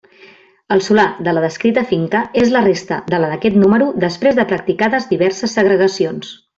El solar de la descrita finca és la resta de la d'aquest número després de practicades diverses segregacions.